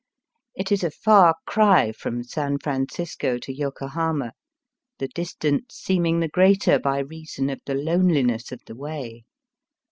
It is a far cry from San Francisco to Yoko hama, the distance seeming the greater by reason of the loneliness of the way.